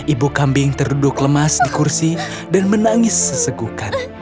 ibu kambing terduduk lemas di kursi dan menangis sesegukan